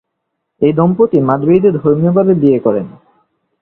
এই দম্পতি মাদ্রিদে ধর্মীয়ভাবে বিয়ে করেন।